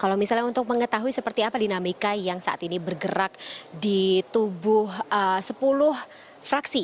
kalau misalnya untuk mengetahui seperti apa dinamika yang saat ini bergerak di tubuh sepuluh fraksi